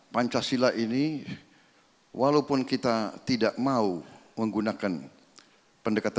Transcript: pancasila ini walaupun kita tidak mau menggunakan pendekatan